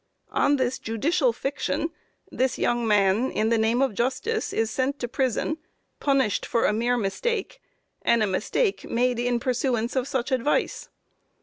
On this judicial fiction the young man, in the name of justice, is sent to prison, punished for a mere mistake, and a mistake made in pursuance of such advice.